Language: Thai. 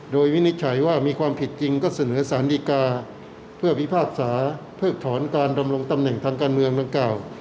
โดยวินิจฉัยว่ามีความผิดจริงก็เสนอสารดีกาเพื่อพิพากษาเพิกถอนการดำรงตำแหน่งทางการเมืองดังกล่าว